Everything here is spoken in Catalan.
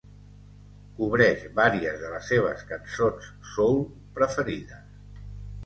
Cobreix varies de les seves cançons soul preferides.